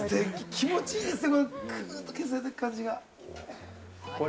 気持ちいいですね。